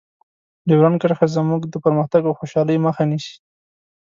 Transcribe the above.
ډیورنډ کرښه زموږ د پرمختګ او خوشحالۍ مخه نیسي.